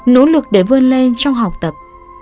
nỗ lực để vươn lên trong học tập